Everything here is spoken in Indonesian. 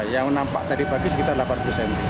yang nampak tadi pagi sekitar delapan puluh cm